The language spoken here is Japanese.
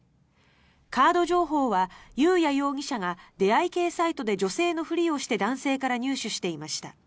カード情報は裕也容疑者が出会い系サイトで女性のふりをして男性から入手していました。